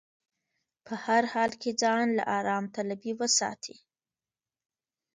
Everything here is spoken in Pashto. په هر حال کې ځان له ارام طلبي وساتي.